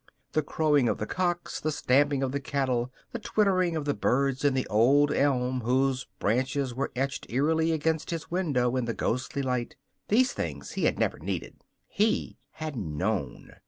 The crowing of the cocks, the stamping of the cattle, the twittering of the birds in the old elm whose branches were etched eerily against his window in the ghostly light these things he had never needed. He had known.